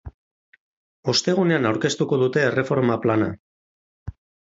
Ostegunean aurkeztuko dute erreforma plana.